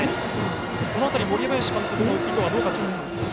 この辺り、森林監督の意図どう感じますか？